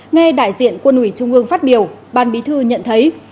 nghe đại diện quân ủy trung ương phát biểu ban bí thư nhận thấy